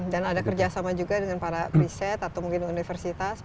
dan ada kerjasama juga dengan para riset atau mungkin universitas